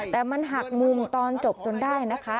แต่มันหักมุมตอนจบจนได้นะคะ